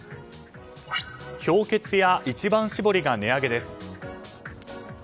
氷結や一番搾りが値上げです。